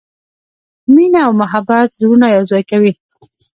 مینه او محبت زړونه یو ځای کوي.